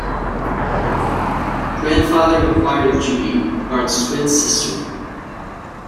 Grandfather inquired of Judy, Bart's twin sister.